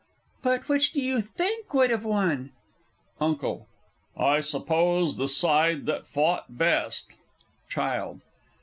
But which do you think would have won? UNCLE. I suppose the side that fought best. CHILD.